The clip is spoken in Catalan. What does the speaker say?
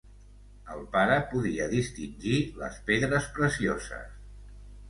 El pare podia distingir les pedres precioses.